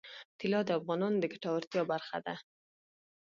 طلا د افغانانو د ګټورتیا برخه ده.